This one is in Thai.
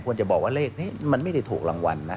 จะบอกว่าเลขนี้มันไม่ได้ถูกรางวัลนะ